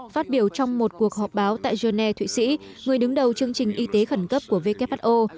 phát biểu trong một cuộc họp báo tại genet thụy sĩ người đứng đầu chương trình y tế khẩn cấp của who